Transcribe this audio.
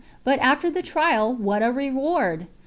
But after the trial what a reward!